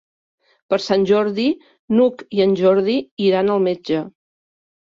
Per Sant Jordi n'Hug i en Jordi iran al metge.